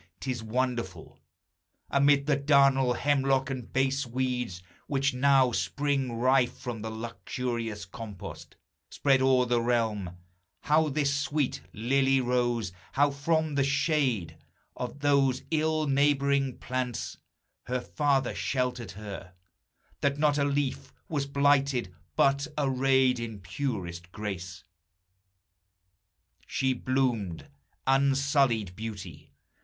'T is wonderful Amid the darnel, hemlock, and base weeds, Which now spring rife from the luxurious compost Spread o'er the realm, how this sweet lily rose, How from the shade of those ill neighboring plants Her father sheltered her, that not a leaf Was blighted, but, arrayed in purest grace, She bloomed unsullied beauty.